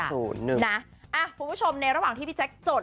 คุณผู้ชมในระหว่างที่พี่แจ๊คจด